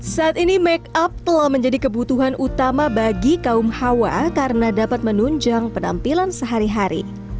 saat ini make up telah menjadi kebutuhan utama bagi kaum hawa karena dapat menunjang penampilan sehari hari